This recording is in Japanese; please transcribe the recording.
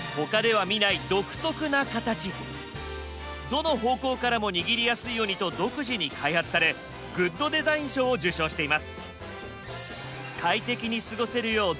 どの方向からも握りやすいようにと独自に開発されグッドデザイン賞を受賞しています。